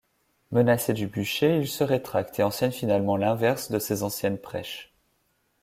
Menacé du bucher, il se rétracte et enseigne finalement l'inverse de ses anciennes prêches.